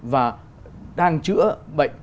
và đang chữa bệnh